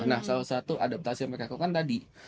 nah salah satu adaptasi yang mereka lakukan tadi